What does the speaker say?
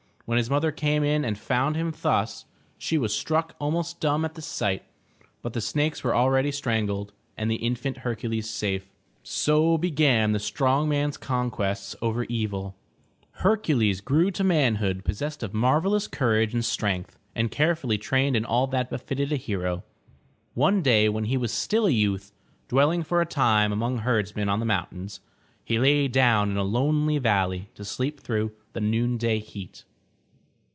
When his mother came in and found him thus, she was struck almost dumb at the sight, but the snakes were already strangled, and the infant Hercules safe. So began the strong man's conquests over evil. Hercules grew to manhood possessed of marvelous courage and strength and carefully trained in all that befitted a hero. One day when he was still a youth, dwelling for a time among herdsmen on the mountains, he lay down in a lonely valley to sleep through the noonday heat.